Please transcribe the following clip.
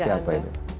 jadi siapa itu